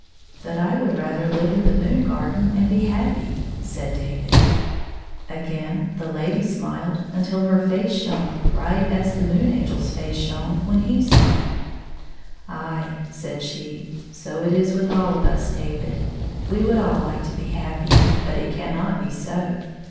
97 " But I would rather live in the moon garden and be happy," said David, Again the lady smiled until her face shone bright as the Moon Angel's face shone when he smiled. "Aye," said she, " so it is with all of us, David. We would all like to be happy, but it cannot be so.